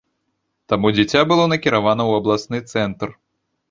Таму дзіця было накіравана ў абласны цэнтр.